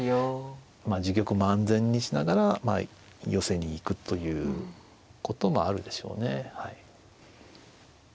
自玉も安全にしながら寄せに行くということもあるでしょうねはい。